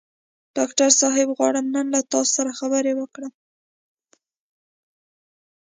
ډاکټر صاحب غواړم نن له تاسو سره خبرې وکړم.